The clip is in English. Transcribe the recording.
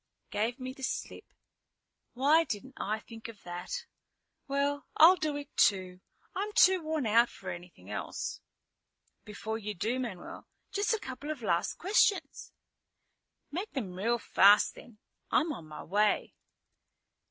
"Gave me the slip. Why didn't I think of that? Well, I'll do it too. I'm too worn out for anything else." "Before you do, Manuel, just a couple of last questions." "Make them real fast then. I'm on my way."